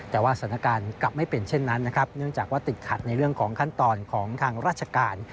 แต่ว่าสถานการณ์กลับไม่เป็นเช่นนั้นนะครับเนื่องจากว่าติดขัดในเรื่องของขั้นตอนของทางราชการ